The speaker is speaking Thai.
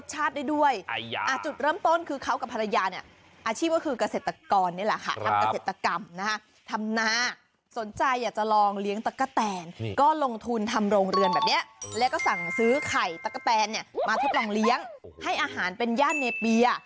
เหตุกรรมนะธรรมนาสนใจอยากจะลองเลี้ยงตะกะแตนก็ลงทุนทำโรงเรือนแบบเนี้ยแล้วก็สั่งซื้อไข่ตะกะแตนเนี้ยมาทบลงเลี้ยงให้อาหารเป็นย่านในปีอ่ะ